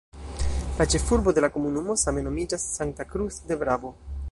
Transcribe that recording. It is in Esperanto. La ĉefurbo de la komunumo same nomiĝas "Santa Cruz de Bravo".